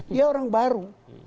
dia orang baru